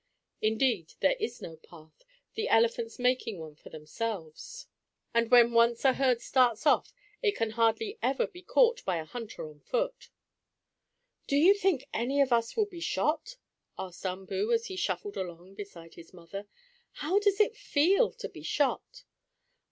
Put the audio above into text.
Indeed there is no path, the elephants making one for themselves, and when once a herd starts off it can hardly ever be caught by a hunter on foot. "Do you think any of us will be shot?" asked Umboo, as he shuffled along beside his mother. "How does it feel to be shot?"